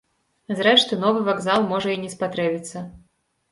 Зрэшты, новы вакзал можа і не спатрэбіцца.